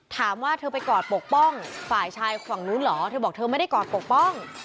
ถามว่าเธอไปกอดปกป้องฝ่ายชายฝั่งนู้นเหรอเธอบอกเธอไม่ได้กอดปกป้อง